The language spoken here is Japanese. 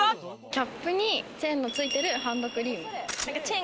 キャップにチェーンがついてるハンドクリーム。